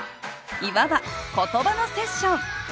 いわば言葉のセッション。